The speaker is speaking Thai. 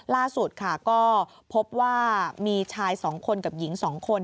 ล่าสุดก็พบว่ามีชายสองคนกับหญิงสองคน